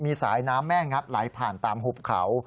มีสายน้ำแม่งัดไหลผ่านตามหุบเขา